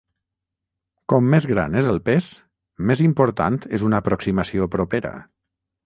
Com més gran és el pes, més important és una aproximació propera.